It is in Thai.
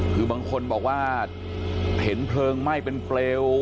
คือบางคนบอกว่าเห็นเพลิงไหม้เป็นเปลว